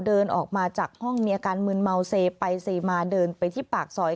เดินออกมาจากห้องเมียกาลมืนเมาเสริย์ไปเสริมาเดินไปที่ปากสอย